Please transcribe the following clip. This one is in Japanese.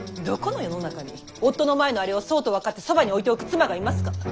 どこの世の中に夫の前のあれをそうと分かってそばに置いておく妻がいますか。